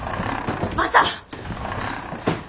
マサ！